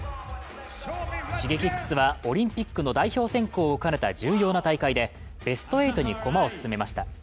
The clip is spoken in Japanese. Ｓｈｉｇｅｋｉｘはオリンピックの代表選考を兼ねた重要な大会でベスト８に駒を進めました。